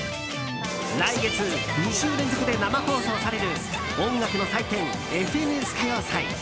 来月２週連続で生放送される音楽の祭典「ＦＮＳ歌謡祭」。